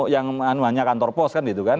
yang namanya kantor pos kan gitu kan